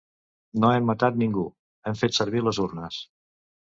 No hem matat ningú, hem fet servir les urnes.